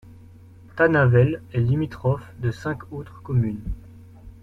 Tanavelle est limitrophe de cinq autres communes.